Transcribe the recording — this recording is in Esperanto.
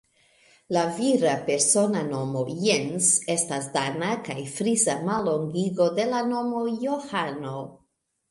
La vira persona nomo Jens estas dana kaj frisa mallongigo de la nomo Johano.